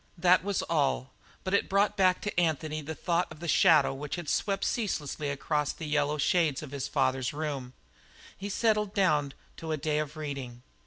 That was all, but it brought back to Anthony the thought of the shadow which had swept ceaselessly across the yellow shades of his father's room; and he settled down to a day of reading.